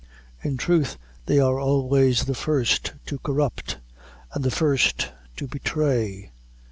In truth, they are always the first to corrupt, and the first to betray.